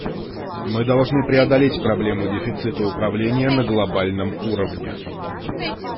Мы должны преодолеть проблему дефицита управления на глобальном уровне.